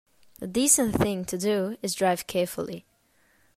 The decent thing to do is drive carefully.